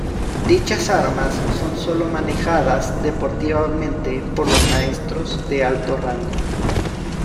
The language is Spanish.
Dichas armas son solo manejadas deportivamente por los maestros de alto rango.